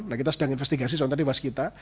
nah kita sedang investigasi soal tadi waskita